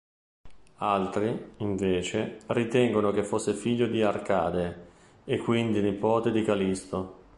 Altri, invece, ritengono che fosse figlio di Arcade e quindi nipote di Callisto.